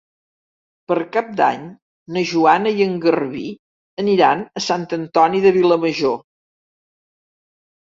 Per Cap d'Any na Joana i en Garbí aniran a Sant Antoni de Vilamajor.